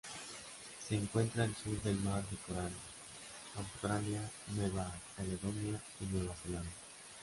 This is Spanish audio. Se encuentra al sur del Mar del Coral, Australia, Nueva Caledonia y Nueva Zelanda.